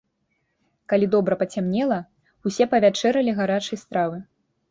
Калі добра пацямнела, усе павячэралі гарачай стравы.